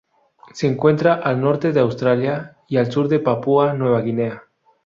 Se encuentra al norte de Australia y al sur de Papúa Nueva Guinea.